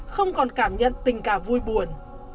không còn cảm nhận tình cảm vui buồn